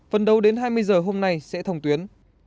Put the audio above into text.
phần đầu đến hai mươi giờ hôm nay sẽ thông tuyến